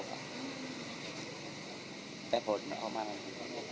แต่ผลมันออกมาไม่งน้อย